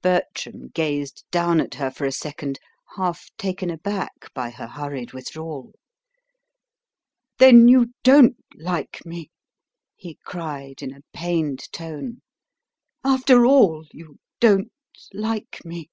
Bertram gazed down at her for a second, half taken aback by her hurried withdrawal. "Then you don't like me!" he cried, in a pained tone; "after all, you don't like me!"